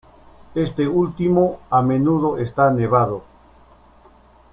Este último a menudo está nevado.